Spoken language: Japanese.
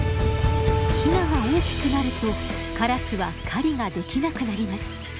ヒナが大きくなるとカラスは狩りができなくなります。